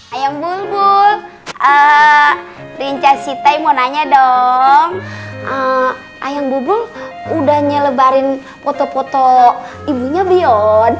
ayam bulbul rinca sitai mau nanya dong ayam bubul udah nyelebarin foto foto ibunya beyond